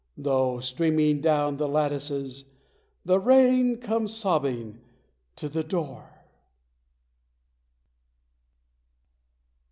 Though, streaming down the lattices, The rain comes sobbing to the door!